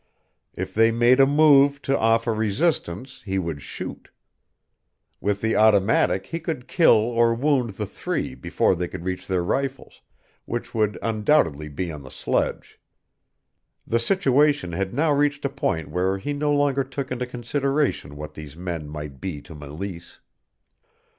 If they made a move to offer resistance he would shoot. With the automatic he could kill or wound the three before they could reach their rifles, which would undoubtedly be on the sledge. The situation had now reached a point where he no longer took into consideration what these men might be to Meleese.